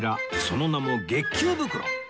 その名も月給袋